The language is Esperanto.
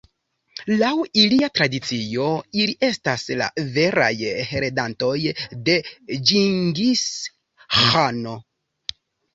Laŭ ilia tradicio, ili estas la veraj heredantoj de Ĝingis-Ĥano.